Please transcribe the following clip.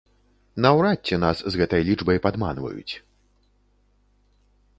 Наўрад ці нас з гэтай лічбай падманваюць.